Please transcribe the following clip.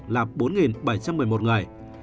là bốn bảy trăm một mươi một người